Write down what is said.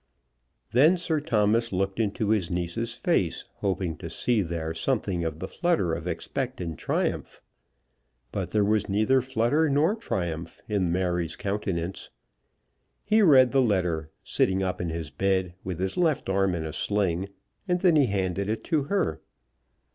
Then Sir Thomas looked into his niece's face, hoping to see there something of the flutter of expectant triumph. But there was neither flutter nor triumph in Mary's countenance. He read the letter, sitting up in his bed, with his left arm in a sling, and then he handed it to her.